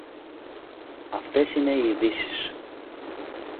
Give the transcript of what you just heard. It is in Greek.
Αυτές είναι οι ειδήσεις